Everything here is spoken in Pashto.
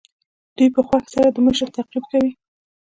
دوی په خوښۍ سره د مشر تعقیب کوي.